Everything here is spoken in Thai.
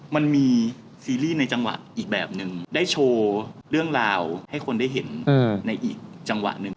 มันมีซีรีส์ในจังหวะอีกแบบหนึ่งได้โชว์เรื่องราวให้คนได้เห็นในอีกจังหวะหนึ่ง